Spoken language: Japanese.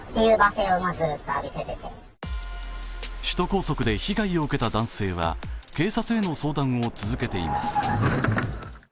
首都高速で被害を受けた男性は警察への相談を続けています。